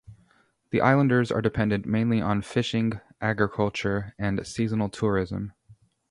The islanders are dependent mainly on fishing, agriculture and seasonal tourism.